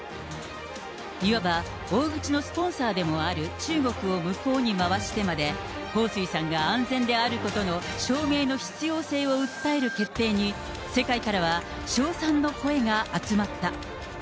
いわば大口のスポンサーでもある中国を向こうに回してまで、彭帥さんが安全であることの証明の必要性を訴える決定に、世界からは称賛の声が集まった。